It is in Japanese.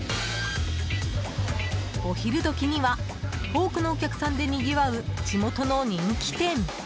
お昼時には多くのお客さんでにぎわう地元の人気店。